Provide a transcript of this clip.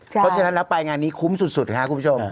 เพราะฉะนั้นแล้วไปงานนี้คุ้มสุดค่ะคุณผู้ชม